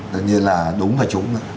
tất nhiên là đúng và trúng